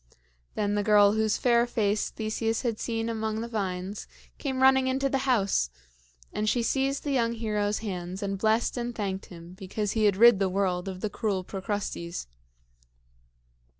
Then the girl whose fair face Theseus had seen among the vines, came running into the house; and she seized the young hero's hands and blessed and thanked him because he had rid the world of the cruel Procrustes.